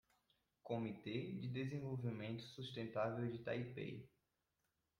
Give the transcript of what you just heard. Comitê de Desenvolvimento Sustentável de Taipei